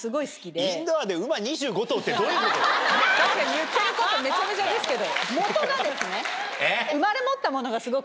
言ってることめちゃめちゃですけど。